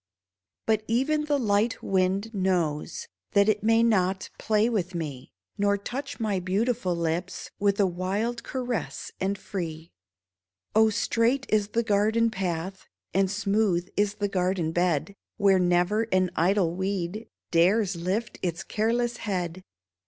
But even the light wind knows That it may not play with me 5 Nor touch my beautiful lips With a wild caress and free. Oh, straight is the garden path. And smooth is the garden bed, Where never an idle weed Dares lift its careless head.